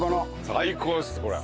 最高ですこれ。